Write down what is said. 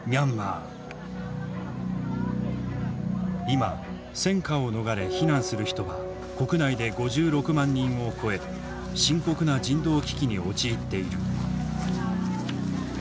今戦禍を逃れ避難する人は国内で５６万人を超え深刻な人道危機に陥っている。